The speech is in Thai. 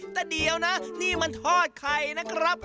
แต่เดี๋ยวนะนี่มันทอดไข่นะครับ